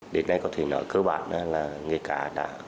đến nay có thể nói cơ bản là nghề cá đã